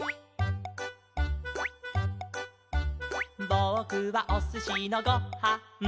「ぼくはおすしのご・は・ん」